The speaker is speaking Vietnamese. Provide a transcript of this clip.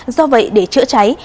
do vậy để chữa cháy